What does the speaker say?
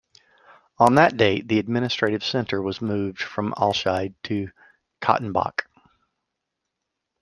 On that date, the administrative centre was moved from Alscheid to Kautenbach.